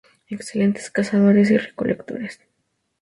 Excelentes cazadores y recolectores.